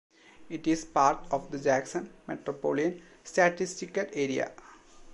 It is part of the Jackson Metropolitan Statistical Area.